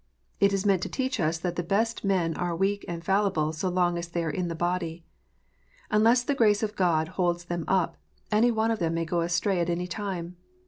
It is meant to teach us that the best men are weak and fallible so long as they are in the body. Unless the grace of God holds them up, any one of them may go astray at any time.